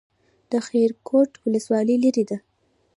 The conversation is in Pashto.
د خیرکوټ ولسوالۍ لیرې ده